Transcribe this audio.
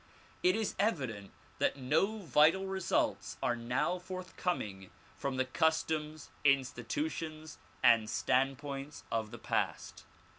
It is evident that no vital results are now forthcoming from the customs, institutions and standpoints of the past.